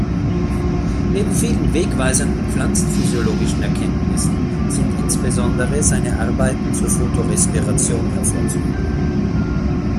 Neben vielen wegweisenden pflanzenphysiologischen Erkenntnissen sind insbesondere seine Arbeiten zur Photorespiration hervorzuheben.